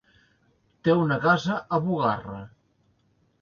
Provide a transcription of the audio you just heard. Té una casa a Bugarra.